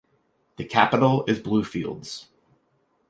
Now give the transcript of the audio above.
The capital is Bluefields.